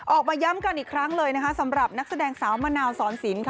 ออกมาย้ำกันอีกครั้งเลยนะคะสำหรับนักแสดงสาวมะนาวสอนสินค่ะ